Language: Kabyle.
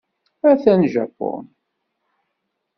Atan Japun.